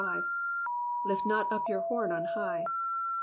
Lift not up your horn on high."